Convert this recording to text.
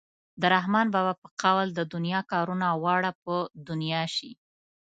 د رحمان بابا په قول د دنیا کارونه واړه په دنیا شي.